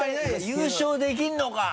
「優勝できるのか？」